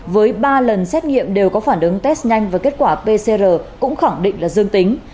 với ba lần xét nghiệm đều có phản ứng test nhanh và kết quả pcr cũng khẳng định là dương tính